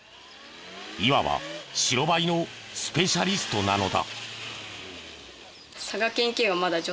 いわば白バイのスペシャリストなのだ。